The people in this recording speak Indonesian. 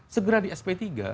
segera di sp tiga